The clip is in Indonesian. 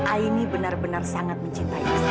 aini benar benar sangat mencintai